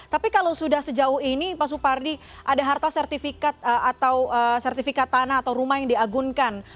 tapi kalau sudah sejauh ini pak supardi ada harta sertifikat atau sertifikat tanah atau rumah yang diagunkan